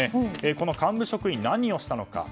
この幹部職員、何をしたのか。